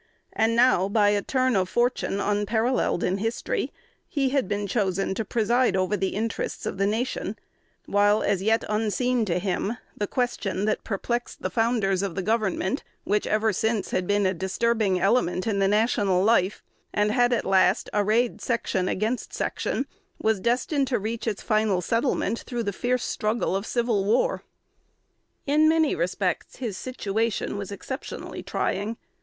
And now, by a turn of fortune unparalleled in history, he had been chosen to preside over the interests of the nation; while, as yet unseen to him, the question that perplexed the founders of the government, which ever since had been a disturbing element in the national life, and had at last arrayed section against section, was destined to reach its final settlement through the fierce struggle of civil war. In many respects his situation was exceptionally trying.